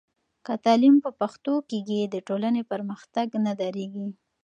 که تعلیم په پښتو کېږي، د ټولنې پرمختګ نه درېږي.